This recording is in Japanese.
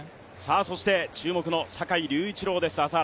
そして注目の坂井隆一郎です。